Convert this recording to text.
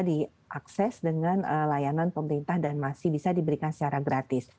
diakses dengan layanan pemerintah dan masih bisa diberikan secara gratis